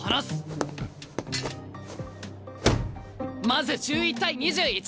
まず１１対２１。